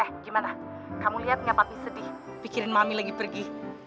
eh gimana kamu lihat nggak papi sedih pikirin mami lagi pergi